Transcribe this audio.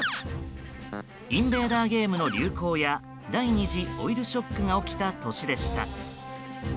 インベーダーゲームの流行や第２次オイルショックが起きた年でした。